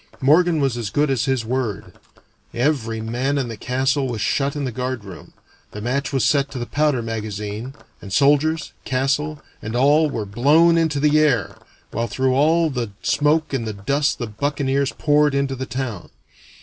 Morgan was as good as his word: every man in the castle was shut in the guard room, the match was set to the powder magazine, and soldiers, castle, and all were blown into the air, while through all the smoke and the dust the buccaneers poured into the town.